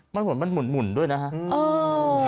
มันเหมือนมันหมุนด้วยนะฮะ